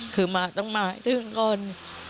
คือมาต้องมาตื่นก่อน